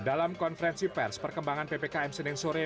dalam konferensi pers perkembangan ppkm senin sore